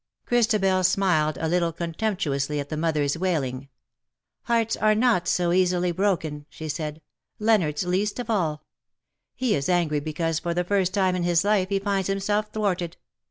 Christabel smiled a little contemptuously at the mother^s wailing. ^' Hearts are not so easily broken,''^ she said, " Leonardos least of all. He is angry because for the first time in his life he finds himself thwarted.